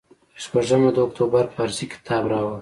پر شپږمه د اکتوبر پارسي کتاب راوړ.